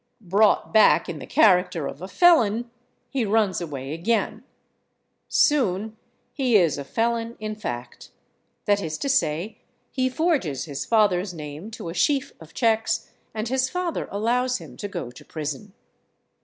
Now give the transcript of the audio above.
Brought back in the character of a felon, he runs away again. Soon he is a felon in fact. That is to say, he forges his father's name to a sheaf of checks, and his father allows him to go to prison.